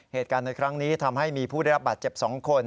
เหตุการณ์ในครั้งนี้ทำให้มีผู้ได้รับบาดเจ็บ๒คน